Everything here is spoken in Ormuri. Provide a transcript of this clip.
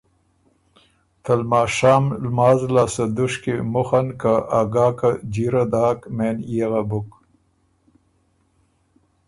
ته لماشام لماز لاسته دُشکی مخه ن که ا ګاکه جیره داک مېن یېغه بُک۔